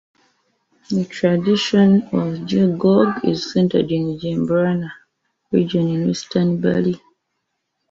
The tradition of jegog is centered in Jembrana, a region in Western Bali.